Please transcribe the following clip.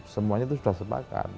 semuanya itu sudah sepakat